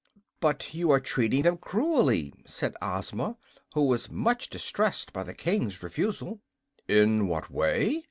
"But you are treating them cruelly," said Ozma, who was much distressed by the King's refusal. "In what way?"